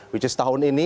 which is tahun ini